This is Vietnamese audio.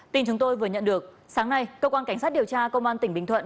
tin chúng tôi vừa nhận được sáng nay cơ quan cảnh sát điều tra công an tỉnh bình thuận